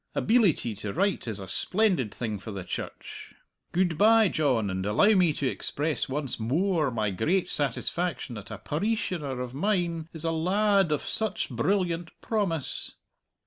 Abeelity to write is a splendid thing for the Church. Good bye, John, and allow me to express once moar my great satisfaction that a pareeshioner of mine is a la ad of such brilliant promise!"